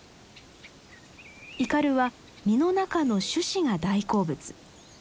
イカルは実の中の種子が大好物。